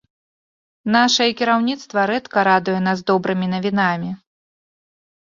Нашае кіраўніцтва рэдка радуе нас добрымі навінамі.